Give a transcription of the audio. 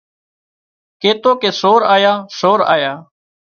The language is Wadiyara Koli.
ڪيتو ڪي سور آيا سور آيا